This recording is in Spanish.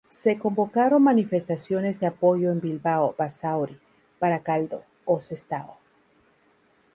Se convocaron manifestaciones de apoyo en Bilbao, Basauri, Baracaldo o Sestao.